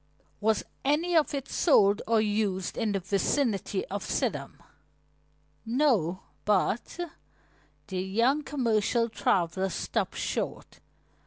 "Was any of it sold or used in the vicinity of Sidham?" "No, but " The young commercial traveler stopped short.